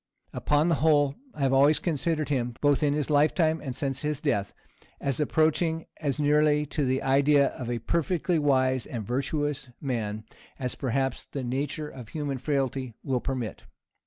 Upon the whole, I have always considered him, both in his lifetime and since his death, as approaching as nearly to the idea of a perfectly wise and virtuous man as perhaps the nature of human frailty will permit.